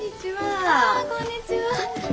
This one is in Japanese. あこんにちは。